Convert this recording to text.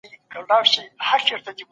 پوه سړی اوس سمه پرېکړه کوي.